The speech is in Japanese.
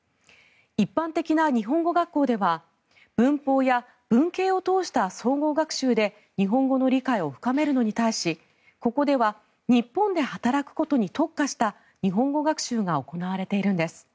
一般的な日本語学校では文法や文型を通した総合学習で日本語の理解を深めるのに対しここでは日本で働くことに特化した日本語学習が行われているんです。